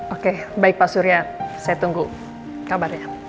oke baik pak surya saya tunggu kabarnya